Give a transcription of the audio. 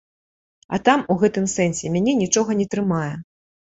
А там у гэтым сэнсе мяне нічога не трымае.